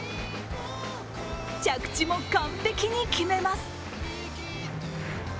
着地も完璧に決めます。